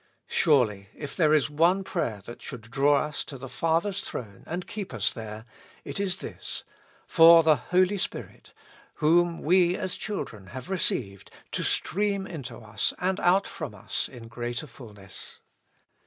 Surely, if there is one prayer that should draw us to the Father's throne and keep us there, it is this : for the Holy Spirit, whom we as children have received, to stream into us and out from us in greater fulness.